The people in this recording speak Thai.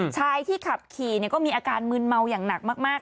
ชายที่ขับขี่ก็มีอาการมืนเมาอย่างหนักมาก